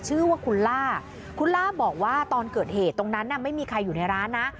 ชื่อว่าคุณล่าคุณล่าบอกว่าตอนเกิดเหตุตรงนั้นน่ะไม่มีใครอยู่ในร้านนะ